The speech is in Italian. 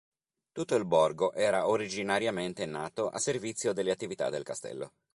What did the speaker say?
Tutto il borgo era originariamente nato a servizio delle attività del castello.